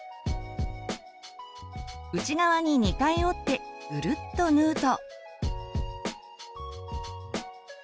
内側に２回折ってぐるっと縫うと。